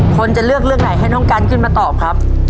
คนจะเลือกเรื่องไหนให้น้องกันขึ้นมาตอบครับ